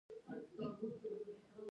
يوه امريکايي پر اړخ پروت و.